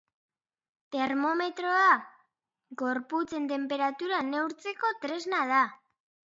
Termometroa: Gorputzen tenperatura neurtzeko tresna da.